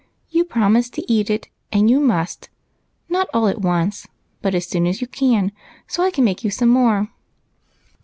You prom ised to eat it, and you must ; not all at once, but as soon as you can, so I can make you some more."